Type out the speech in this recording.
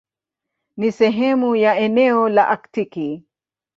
Ni sehemu ya eneo la Aktiki.